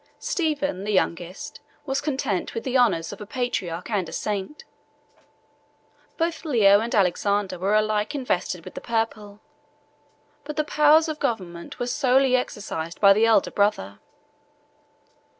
Stephen, the youngest, was content with the honors of a patriarch and a saint; both Leo and Alexander were alike invested with the purple, but the powers of government were solely exercised by the elder brother.